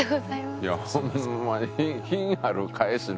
いやホンマに品ある返しの。